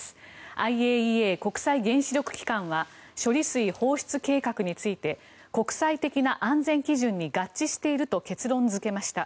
ＩＡＥＡ・国際原子力機関は処理水放出計画について国際的な安全基準に合致していると結論付けました。